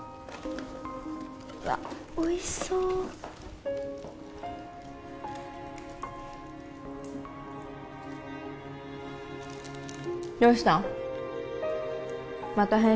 うわおいしそうどうした？